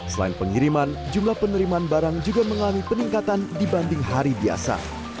selain pengiriman jumlah penerimaan barang juga mengalami peningkatan dibanding hari biasa